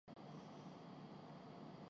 یہ بھی نکمیّ نکلے تو آگے ہوگاکیا؟